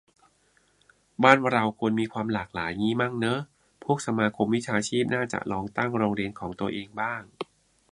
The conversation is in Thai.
บ้านเราควรมีความหลากหลายงี้มั่งเนอะ พวกสมาคมวิชาชีพน่าจะลองตั้งโรงเรียนของตัวเองบ้าง